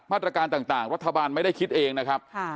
มาตรการต่างรัฐบาลไม่ได้คิดเองนะครับ